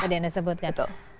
ada yang disebutkan